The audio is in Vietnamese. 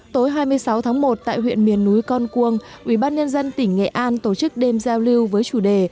tối hai mươi sáu tháng một tại huyện miền núi con cuông ubnd tỉnh nghệ an tổ chức đêm giao lưu với chủ đề